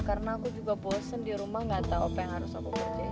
karena aku juga bosen dirumah gak tau apa yang harus aku kerjain